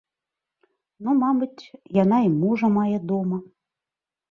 Ну, мабыць, яна і мужа мае дома.